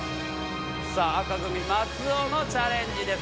紅組松尾のチャレンジです。